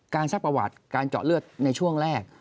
ซักประวัติการเจาะเลือดในช่วงแรก